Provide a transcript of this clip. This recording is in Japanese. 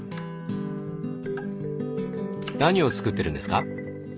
何を作ってるんですか？